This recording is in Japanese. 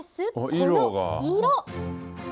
この色。